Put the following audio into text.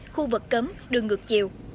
khu vực cấm đường ngược chiều